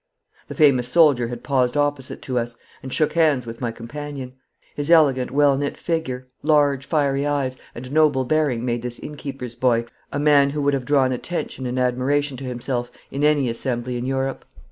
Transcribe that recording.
The famous soldier had paused opposite to us, and shook hands with my companion. His elegant well knit figure, large fiery eyes, and noble bearing made this innkeeper's boy a man who would have drawn attention and admiration to himself in any assembly in Europe.